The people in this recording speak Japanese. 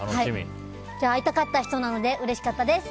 会いたかった人なのでうれしかったです。